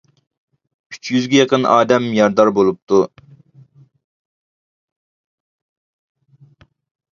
ئۈچ يۈزگە يېقىن ئادەم يارىدار بولۇپتۇ.